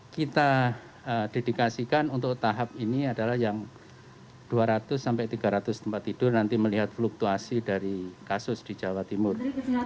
kita dedikasikan untuk tahap ini adalah yang dua ratus sampai tiga ratus tempat tidur nanti melihat fluktuasi dari kasus di jawa timur